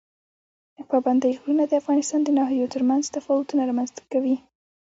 پابندی غرونه د افغانستان د ناحیو ترمنځ تفاوتونه رامنځ ته کوي.